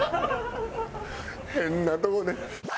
変なとこで。